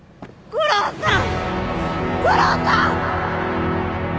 悟郎さん！！